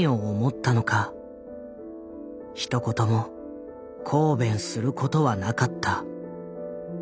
ひと言も抗弁することはなかった。